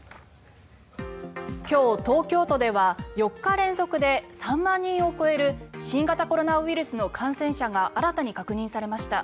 今日、東京都では４日連続で３万人を超える新型コロナウイルスの感染者が新たに確認されました。